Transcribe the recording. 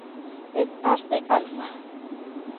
Es Arte-Alfa.